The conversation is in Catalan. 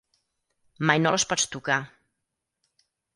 Mai no les pots tocar.